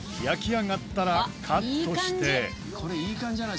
焼き上がったらカットしていい感じ。